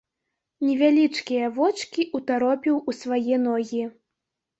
Невялічкія вочкі ўтаропіў у свае ногі.